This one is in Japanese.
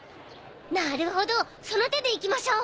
なるほどその手で行きましょう！